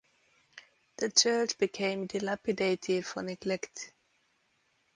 The church became dilapidated for neglect.